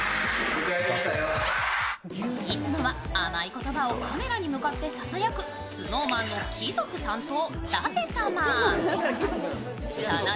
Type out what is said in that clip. いつもは甘い言葉をカメラに向かってささやくＳｎｏｗＭａｎの貴族担当、だて様。